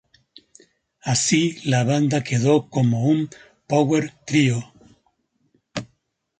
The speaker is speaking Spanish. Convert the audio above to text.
Así la banda quedó como un power trio.